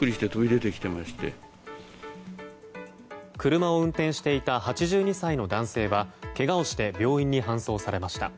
車を運転していた８２歳の男性はけがをして病院に搬送されました。